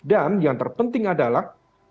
dan yang terpenting adalah